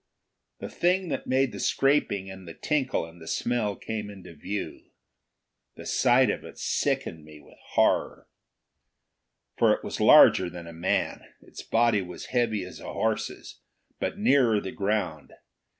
The thing that made the scraping and the tinkle and the smell came into view. The sight of it sickened me with horror. It was far larger than a man; its body was heavy as a horse's, but nearer the ground.